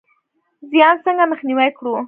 زیان څنګه مخنیوی کړو؟